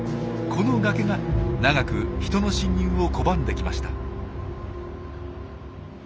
この崖が長く人の進入を拒んできました。